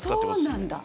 そうなんだ。